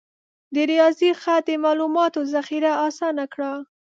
د ریاضي خط د معلوماتو ذخیره آسانه کړه.